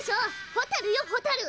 ホタルよホタル！